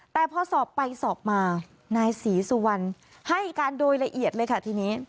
แต่พอสอบไปสอบมานายศรีสุวรรณให้การโดยละเอียดเลยค่ะทีนี้